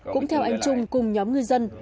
cũng theo anh trung cùng nhóm ngư dân